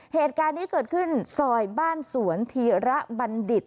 เหตุการณ์นี้เกิดขึ้นซอยบ้านสวนธีระบัณฑิต